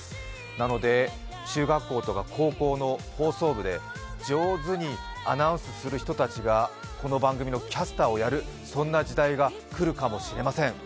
なので、中学校とか高校の放送部で上手にアナウンスする人たちがこの番組のキャスターをやるそんな時代がくるかもしれません。